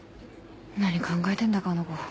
何考えてんだかあの子。